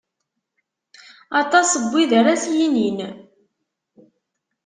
Aṭas n wid ara d as-yinin.